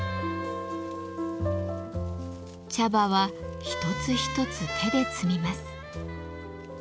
茶葉は一つ一つ手で摘みます。